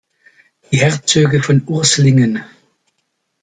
Die Herzöge von Urslingen